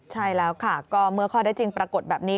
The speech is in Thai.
ใช่แล้วค่ะก็เมื่อข้อได้จริงปรากฏแบบนี้